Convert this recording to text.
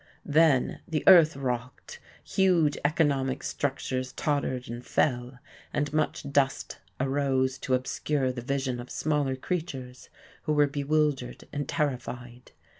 Then the earth rocked, huge economic structures tottered and fell, and much dust arose to obscure the vision of smaller creatures, who were bewildered and terrified.